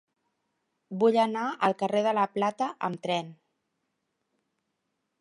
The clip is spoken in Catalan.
Vull anar al carrer de la Plata amb tren.